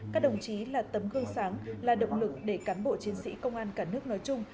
các đồng chí là tấm gương sáng là động lực để cán bộ chiến sĩ công an cả nước nói chung